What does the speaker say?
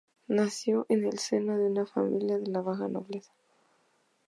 Nació en el seno de una familia de la baja nobleza.